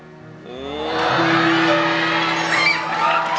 โลกครั้งชนักภายใจโลกกลับมาฆ่าของลูกทำลูก